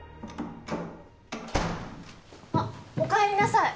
・あっおかえりなさい。